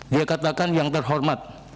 dia katakan yang terhormat